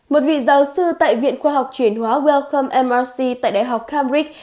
một vị giáo sư tại viện khoa học chuyển hóa wellcome mrc tại đại học cambridge